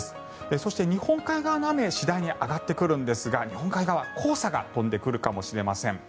そして日本海側の雨次第に上がってくるんですが日本海側、黄砂が飛んでくるかもしれません。